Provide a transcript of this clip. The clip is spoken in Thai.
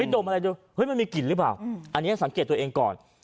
ดมอะไรดูเฮ้ยมันมีกลิ่นหรือเปล่าอันนี้สังเกตตัวเองก่อน